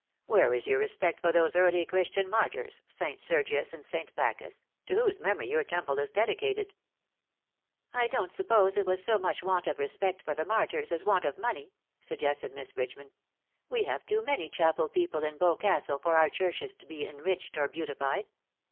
Where is your re spect for those early Christian martyrs, St. Sergius FROM WINTRY COLD." 109 and St. Bacchus, to whose memory your temple is dedicated V " I don^t suppose it was so much want of respect for the martyrs as want of money/^ suggested Miss Bridgeman. " We have too many chapel people in Boscastle for our churches to be enriched or beautified.